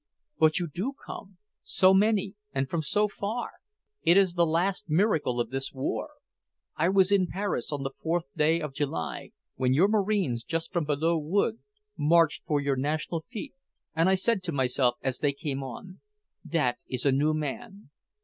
"But you do come, so many, and from so far! It is the last miracle of this war. I was in Paris on the fourth day of July, when your Marines, just from Belleau Wood, marched for your national fete, and I said to myself as they came on, 'That is a new man!'